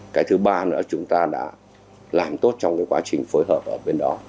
cái thứ ba nữa chúng ta đã làm tốt trong cái quá trình phối hợp ở bên đó